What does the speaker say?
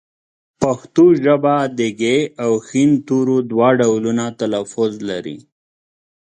پښتو ژبه د ږ او ښ تورو دوه ډولونه تلفظ لري